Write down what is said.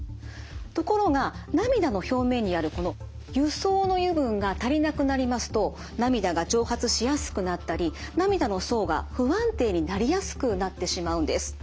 ところが涙の表面にあるこの油層の油分が足りなくなりますと涙が蒸発しやすくなったり涙の層が不安定になりやすくなってしまうんです。